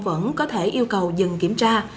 vẫn có thể yêu cầu dừng kiểm tra